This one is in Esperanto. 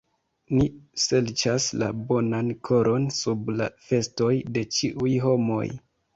Ni serĉas la bonan koron sub la vestoj de ĉiuj homoj.